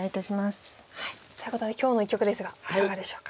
ということで今日の一局ですがいかがでしょうか？